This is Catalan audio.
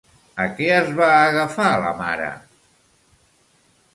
A què es va agafar la mare?